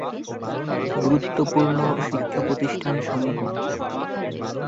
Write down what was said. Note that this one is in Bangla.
গুরুত্বপূর্ণ শিক্ষা প্রতিষ্ঠানসমূহ